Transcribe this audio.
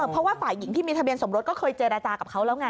เพราะว่าฝ่ายหญิงที่มีทะเบียนสมรสก็เคยเจรจากับเขาแล้วไง